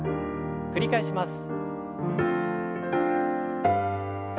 繰り返します。